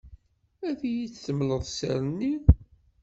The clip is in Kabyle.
Ad yi-d-temleḍ sser-nni?